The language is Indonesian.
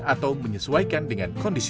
atau menyesuaikan dengan kondisinya